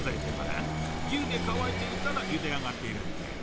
１０でかわいていたらゆであがっているんじゃよ。